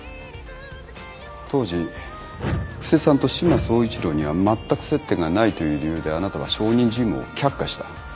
当時布施さんと志摩総一郎にはまったく接点がないという理由であなたは証人尋問を却下した。